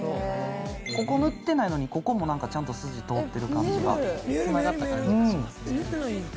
ここ塗ってないのにここもちゃんと筋通ってる感じが繋がった感じがしますね。